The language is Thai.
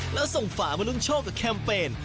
แล้วส่งฝามาลุ้นโชคกับแคมเปญ